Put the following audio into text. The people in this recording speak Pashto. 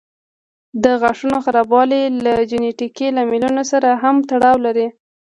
د غاښونو خرابوالی له جینيټیکي لاملونو سره هم تړاو لري.